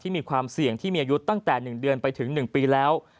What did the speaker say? มีความเสี่ยงที่มีอายุตั้งแต่๑เดือนไปถึง๑ปีแล้ว